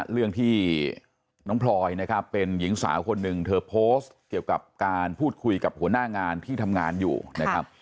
เรื่องที่น้องพลอยนะครับเป็นหญิงสาวคนหนึ่งเธอโพสต์เกี่ยวกับการพูดคุยกับหัวหน้างานที่ทำงานอยู่นะครับ